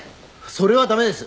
それは駄目です！